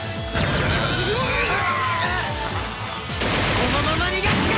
このまま逃がすか！